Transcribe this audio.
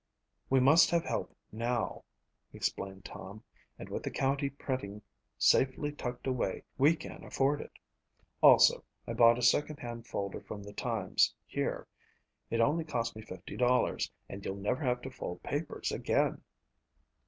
"We must have help now," explained Tom, "and with the county printing safely tucked away we can afford it. Also, I bought a second hand folder from the Times here. It only cost me $50 and you'll never have to fold papers again."